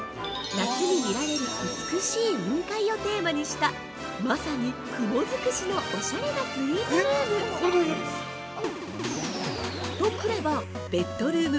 ◆夏に見られる美しい雲海をテーマにしたまさに「雲づくし」のおしゃれなスイートルーム。